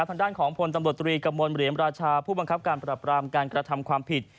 ทางด้านของพลตำรวจตรีกระมวลเหรียญราชาผู้บังคับการปรับรามการกระทำความผิด